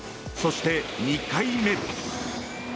そして、２回目。